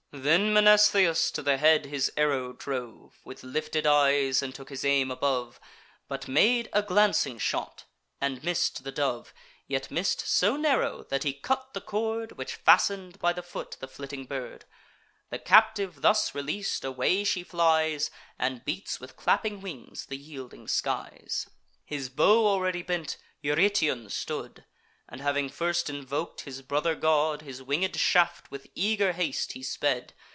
Then Mnestheus to the head his arrow drove, With lifted eyes, and took his aim above, But made a glancing shot, and missed the dove; Yet miss'd so narrow, that he cut the cord Which fasten'd by the foot the flitting bird. The captive thus releas'd, away she flies, And beats with clapping wings the yielding skies. His bow already bent, Eurytion stood; And, having first invok'd his brother god, His winged shaft with eager haste he sped.